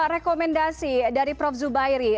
rekomendasi dari prof zubairi